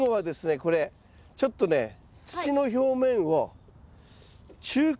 これちょっとね土の表面を中耕。